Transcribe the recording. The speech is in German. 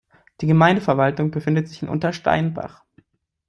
Die Gemeindeverwaltung befindet sich in Untersteinbach.